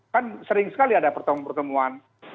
kan sering sekali ada pertemuan pertemuan